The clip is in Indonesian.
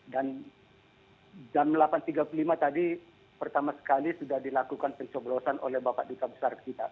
dan jam delapan tiga puluh lima tadi pertama sekali sudah dilakukan pencoblosan oleh bapak dika besar kita